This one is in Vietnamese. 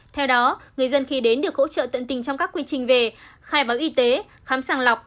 theo đó người dân khi đến được hỗ trợ tận tình trong các quy trình về khai báo y tế khám sàng lọc